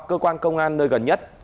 cơ quan công an nơi gần nhất